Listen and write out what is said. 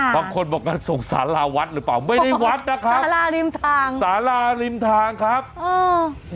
บางคนบอกงั้นส่งสาราวัดหรือเปล่าไม่ได้วัดนะครับสาราริมทางสาราริมทางครับเออ